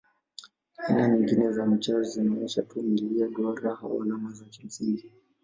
Aina nyingine za michoro zinaonyesha tu milia, duara au alama za kimsingi.